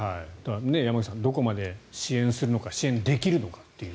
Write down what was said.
山口さんどこまで支援するのか支援できるのかという。